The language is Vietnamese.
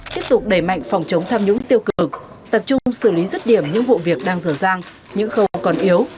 tiếp tục đẩy mạnh phòng chống tham nhũng tiêu cực tập trung xử lý rứt điểm những vụ việc đang dở dàng những khâu còn yếu